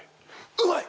うまい！